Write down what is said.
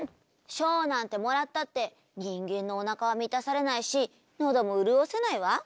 賞なんてもらったって人間のおなかは満たされないし喉も潤せないわ。